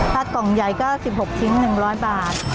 กล่องใหญ่ก็๑๖ชิ้น๑๐๐บาท